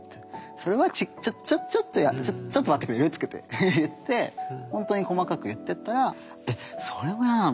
「それはちょちょっと嫌ちょっと待ってくれる」とかって言って本当に細かく言ってったら「えっそれも嫌なの？」